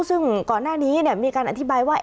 ซึ่งก่อนหน้านี้มีการอธิบายว่า